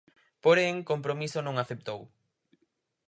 Porén, Compromiso non aceptou.